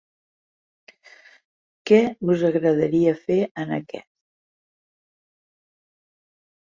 Què us agradaria fer en aquest...?